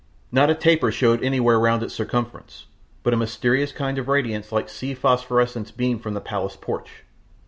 Not a taper showed anywhere round its circumference, but a mysterious kind of radiance like sea phosphorescence beamed from the palace porch.